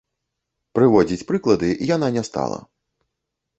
Прыводзіць прыклады яна не стала.